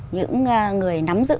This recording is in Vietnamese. những người nắm giữ